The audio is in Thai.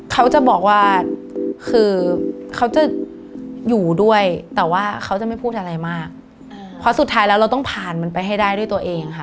เขาจะบอกว่าคือเขาจะอยู่ด้วยแต่ว่าเขาจะไม่พูดอะไรมากเพราะสุดท้ายแล้วเราต้องผ่านมันไปให้ได้ด้วยตัวเองค่ะ